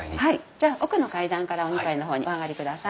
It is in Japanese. じゃ奥の階段からお２階の方にお上がりください。